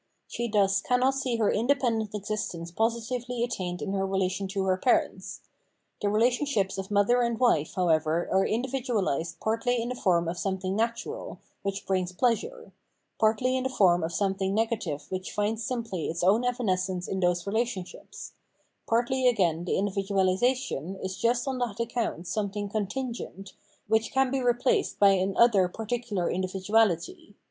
She thus cannot see her independent existence positively attained in her relation 452 Phenomenology of Mind to ter parents. The relationships of mother and wife, however, are individualised partly in the form of some thing natural, which brings pleasure ; partly in the form of something negative which finds simply its own evanescence in those relationships; partly again the individuahsation is just on that account something contingent, which can be replaced by an other par ticrJar individuality.